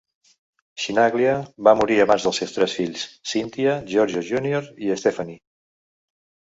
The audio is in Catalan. Chinaglia va morir abans dels seus tres fills: Cynthia, Giorgio Junior i Stephanie.